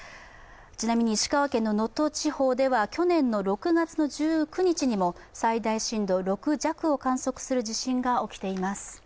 ちなみに石川県の能登地方では去年の６月の１９日にも最大震度６弱を観測する地震が起きています。